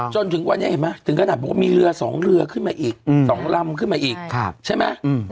จะถึงวันนี้เห็นมั้ยถึงกระดับว่ามีลือสองเค็มมาอีกสองลำขึ้นมาอีกใช่ไหม